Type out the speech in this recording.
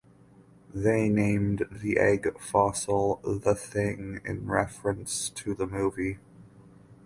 They named the egg fossil "The Thing" in reference to the movie.